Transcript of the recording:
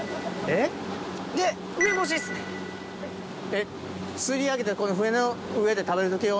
えっ釣り上げて船の上で食べる時用に？